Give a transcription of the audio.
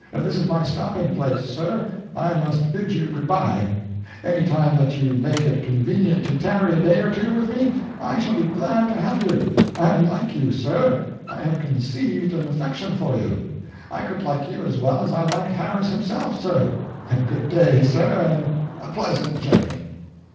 This is my stopping place, sir; I must bid you goodby. Any time that you can make it convenient to tarry a day or two with me, I shall be glad to have you. I like you, sir; I have conceived an affection for you. I could like you as well as I liked Harris himself, sir. Good day, sir, and a pleasant journey."